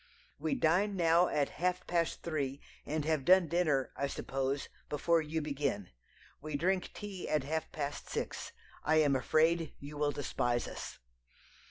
"We dine now at half past three, and have done dinner, I suppose, before you begin. We drink tea at half past six. I am afraid you will despise us.